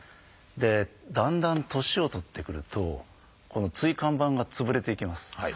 でだんだん年を取ってくるとこの椎間板が潰れていきます。